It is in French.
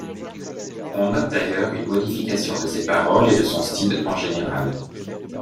On note d'ailleurs une modification de ses paroles et de son style en général.